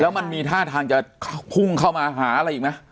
แล้วมันมีท่าทางจะพุ่งเข้ามาหาอะไรอีกไหม